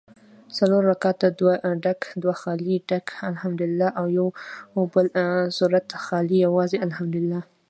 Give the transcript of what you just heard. څلور رکعته دوه ډک دوه خالي ډک الحمدوالله او یوبل سورت خالي یوازي الحمدوالله